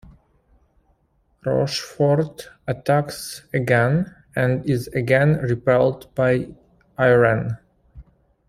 "Rochefort" attacks again, and is again repelled by "Irene".